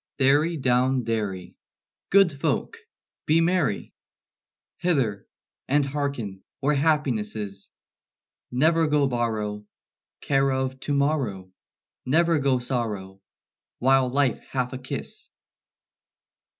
"Derry down derry! Good folk, be merry! Hither, and hearken where happiness is! Never go borrow Care of to morrow, Never go sorrow While life hath a kiss."